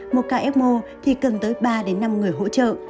một kmo thì cần tới ba đến năm người hỗ trợ